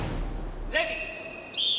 レディー。